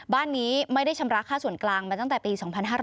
บ้านนี้ไม่ได้ชำระค่าส่วนกลางมาตั้งแต่ปี๒๕๕๙